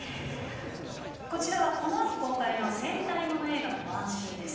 こちらはこの秋公開の戦隊もの映画のワンシーンです。